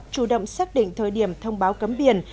chủ động xác định thời điểm thông báo cấm biển